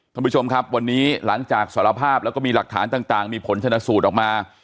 ท่านผู้ชมครับวันนี้หลังจากสารภาพแล้วก็มีหลักฐานต่างมีผลชนะสูตรออกมา